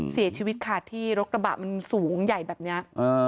เสียชีวิตค่ะที่รถกระบะมันสูงใหญ่แบบนี้